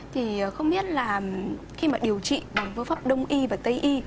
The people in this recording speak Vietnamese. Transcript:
thì không biết là khi mà điều trị bằng phương pháp đông y và tây y